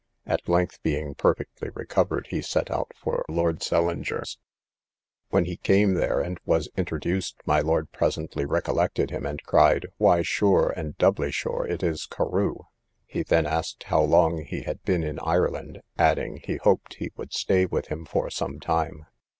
At length, being perfectly recovered, he set out for Lord St. Leger's. When he came there, and was introduced, my lord presently recollected him, and cried, Why sure, and doubly sure, it is Carew! He then asked how long he had been in Ireland; adding, he hoped he would stay with him for some time.